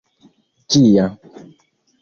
ĝia